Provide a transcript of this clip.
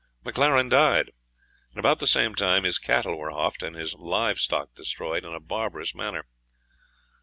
MacLaren died, and about the same time his cattle were houghed, and his live stock destroyed in a barbarous manner.